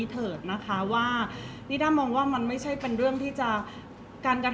เพราะว่าสิ่งเหล่านี้มันเป็นสิ่งที่ไม่มีพยาน